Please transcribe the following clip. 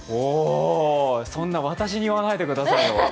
そんな、私に言わないでくださいよ。